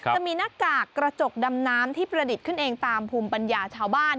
จะมีหน้ากากกระจกดำน้ำที่ประดิษฐ์ขึ้นเองตามภูมิปัญญาชาวบ้าน